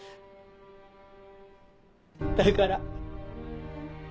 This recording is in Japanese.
だから。